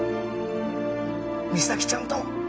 実咲ちゃんと